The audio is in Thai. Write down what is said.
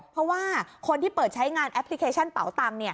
เพราะว่าคนที่เปิดใช้งานแอปพลิเคชันเป๋าตังค์